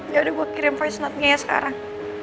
yaudah gue kirim voice note nya ya sekarang